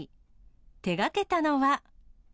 手がけたのは。